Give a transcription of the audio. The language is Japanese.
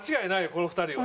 この２人は。